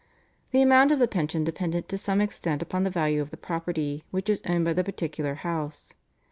The amount of the pension depended to some extent upon the value of the property which was owned by the particular house.